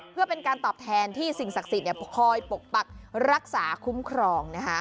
เพื่อเป็นการตอบแทนที่สิ่งศักดิ์สิทธิ์คอยปกปักรักษาคุ้มครอง